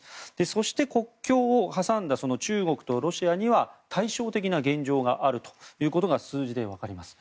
そして、国境を挟んだ中国とロシアには対照的な現状があるということが数字で分かります。